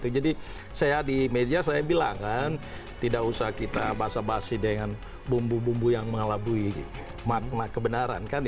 jadi di media saya bilang kan tidak usah kita basa basi dengan bumbu bumbu yang mengalabui kebenaran